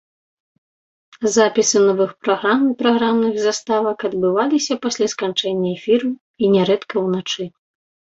Запісы новых праграм і праграмных заставак адбываліся пасля сканчэння эфіру і нярэдка ўначы.